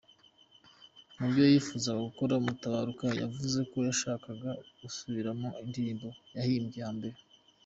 Mu byo yifuzaga gukora, Mutabaruka yavuze ko yashakaga gusubiramo indirimbo yahimbye hambere.